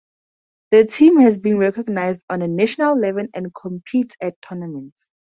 The team has been recognized on a national level, and competes at tournaments.